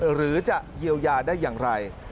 หรือจะเยียวยาได้อย่างไร